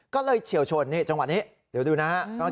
ก็เลยเฉียวชนนี่จังหวะนี้เดี๋ยวดูนะครับ